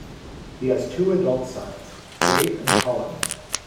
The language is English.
He has two adult sons: Gabe and Colin.